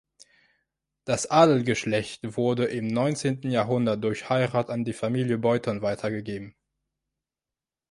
Das Adelsgeschlecht wurde im neunzehnten Jahrhundert durch Heirat an die Familie Boyton weitergegeben.